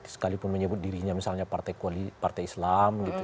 sekalipun menyebut dirinya misalnya partai islam